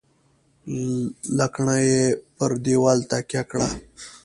. لکڼه یې پر دېوال تکیه کړه .